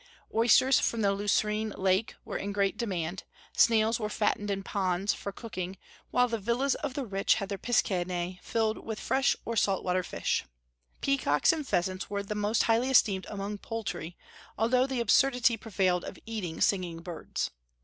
Oysters from the Lucrine Lake were in great demand; snails were fattened in ponds for cooking, while the villas of the rich had their piscinae filled with fresh or salt water fish. Peacocks and pheasants were the most highly esteemed among poultry, although the absurdity prevailed of eating singing birds.